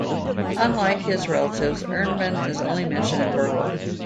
Unlike his relatives, Eanmund is only mentioned in Beowulf.